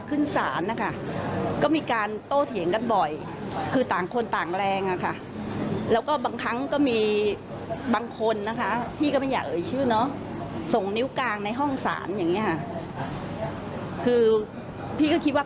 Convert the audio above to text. คือพี่ก็คิดว่าเขาก็น่าจะรู้ที่ใครเป็นใครอะไรอย่างนี้